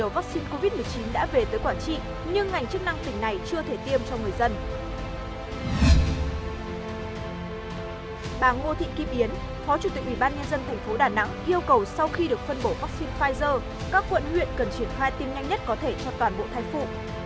bà ngô thị kim yến phó chủ tịch ubnd tp đà nẵng yêu cầu sau khi được phân bổ vaccine pfizer các quận huyện cần triển khai tiêm nhanh nhất có thể cho toàn bộ thai phụ